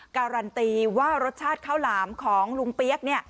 การันตีว่ารสชาติข้าวหลามของลุงเปี๊ยกเนี่ย